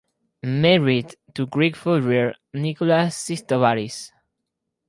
Married to Greek furrier Nicholas Sistovaris.